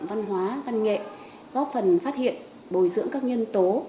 văn hóa văn nghệ góp phần phát hiện bồi dưỡng các nhân tố